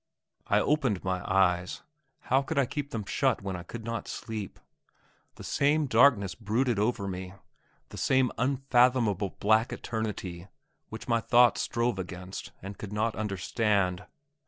I opened my eyes; how could I keep them shut when I could not sleep? The same darkness brooded over me; the same unfathomable black eternity which my thoughts strove against and could not understand.